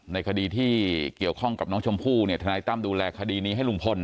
ในคดีที่เกี่ยวข้องกับน้องชมพู่เนี่ยทนายตั้มดูแลคดีนี้ให้ลุงพล